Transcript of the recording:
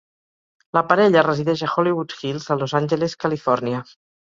La parella resideix a Hollywood Hills a Los Angeles, Califòrnia.